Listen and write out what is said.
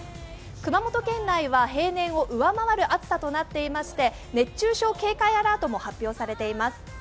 熊本県内は平年を上回る暑さとなっていまして、熱中症警戒アラートも発表されています。